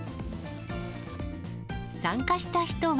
参加した人は。